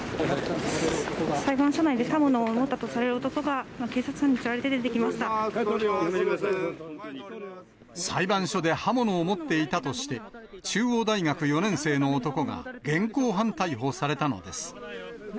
裁判所内で刃物を持ったとされる男が、警察官に連れられて出てい裁判所で刃物を持っていたとして、中央大学４年生の男が現行犯逮捕されたのです。